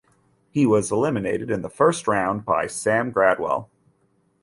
He was eliminated in the first round by Sam Gradwell.